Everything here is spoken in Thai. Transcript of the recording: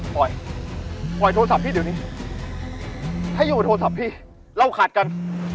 ปล่อยปล่อยโทรศัพท์พี่เดี๋ยวนี้ถ้าอยู่กับโทรศัพท์พี่เราขาดกัน